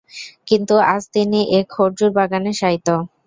কিন্তু আজ তিনি এক খর্জুর বাগানে শায়িত।